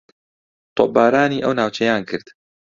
تۆپبارانی ئەو ناوچەیان کرد